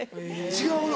違うの？